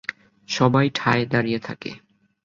সবাই ঠায় দাঁড়িয়ে থাকে।